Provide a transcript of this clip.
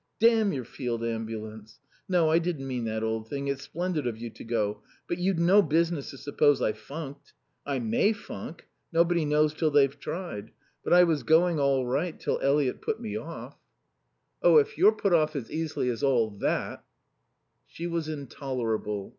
"Damn your Field Ambulance!... No, I didn't mean that, old thing; it's splendid of you to go. But you'd no business to suppose I funked. I may funk. Nobody knows till they've tried. But I was going all right till Eliot put me off." "Oh, if you're put off as easily as all that " She was intolerable.